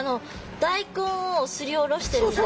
大根をすりおろしてるみたいな。